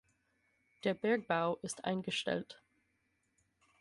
Der Bergbau ist eingestellt.